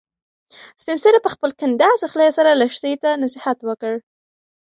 سپین سرې په خپلې کنډاسې خولې سره لښتې ته نصیحت وکړ.